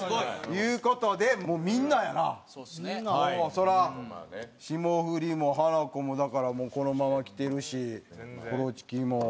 それは霜降りもハナコもだからもうこのままきてるしコロチキも。